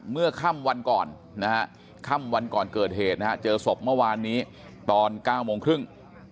เมื่อค่ำวันก่อนนะฮะค่ำวันก่อนเกิดเหตุนะฮะเจอศพเมื่อวานนี้ตอน๙โมงครึ่ง